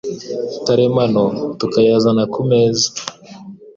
karemano, tukayazana ku meza.